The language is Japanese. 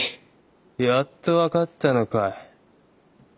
やっと分かったのかい。